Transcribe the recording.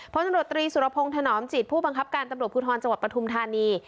พลตำรวจตรีสุรพงศ์ถนอมจิตผู้บังคับการตำรวจภูทรจังหวัดปฐุมธานี